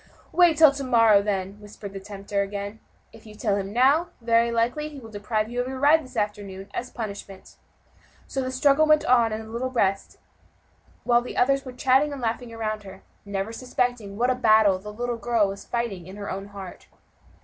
"Wait till to morrow, then," whispered the tempter again; "if you tell him now, very likely he will deprive you of your ride this afternoon, as a punishment." So the struggle went on in the little breast while others were chatting and laughing around her, never suspecting what a battle the little girl was fighting within her own heart.